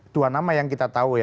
dua nama yang kita tahu ya